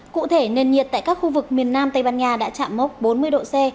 cụ thể nền nhiệt tại các khu vực miền nam tây ban nha đã chạm mốc bốn mươi độ c